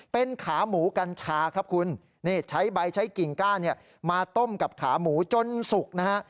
เป็นขาหมูกัญชาครับคุณนี่ใช้ใบใช้กิ่งก้าเนี่ยมาต้มกับขาหมูจนสุกนะฮะ